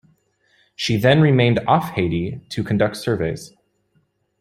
She then remained off Haiti to conduct surveys.